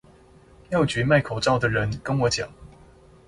藥局賣口罩的人跟我講